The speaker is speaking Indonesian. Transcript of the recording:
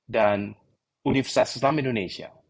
dan universitas selamit indonesia